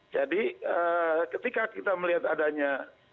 jadi ketika kita melihat adanya